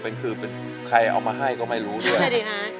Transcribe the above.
เป็นคือเป็นใครเอามาให้ก็ไม่รู้ด้วย